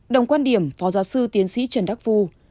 đồng quan điểm phó giáo sư tiến sĩ trần đắc phu